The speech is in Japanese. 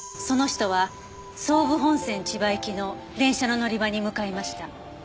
その人は総武本線千葉行きの電車の乗り場に向かいました。